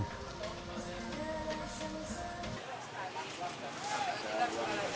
bawang putih operasi pasar dijual rp enam ratus per dua puluh kilogram